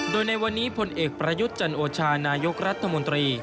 โดยในวันนี้พลเอกประยุทธ์จันโอชานายกรัฐมนตรี